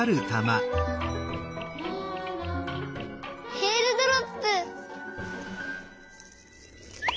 えーるドロップ！